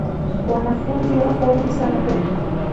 wanafunzi wako wengi sana huku